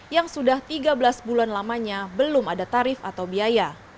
yang sudah tiga belas bulan lamanya belum ada tarif atau biaya